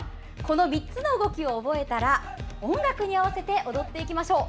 ３つの動きを覚えたら音楽に合わせて踊っていきましょう。